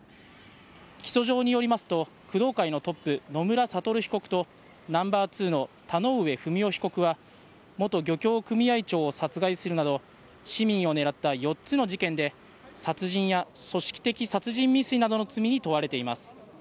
起訴状によりますと、工藤会のトップ、野村悟被告と、ナンバー２の田上不美夫被告は、元漁協組合長を殺害するなど、市民を狙った４つの事件で、殺人や組織的殺人未遂などの罪に問われています。